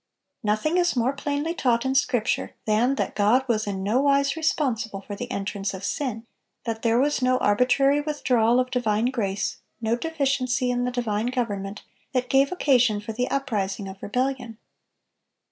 Nothing is more plainly taught in Scripture than that God was in no wise responsible for the entrance of sin; that there was no arbitrary withdrawal of divine grace, no deficiency in the divine government, that gave occasion for the uprising of rebellion.